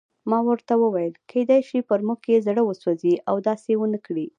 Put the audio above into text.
ما ورته وویل: کېدای شي پر موږ یې زړه وسوځي او داسې ونه کړي.